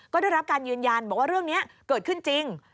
ก็ได้รับการยืนยันบอกว่าเรื่องนี้เกิดขึ้นจริง